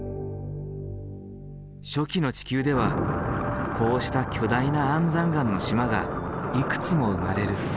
初期の地球ではこうした巨大な安山岩の島がいくつも生まれる。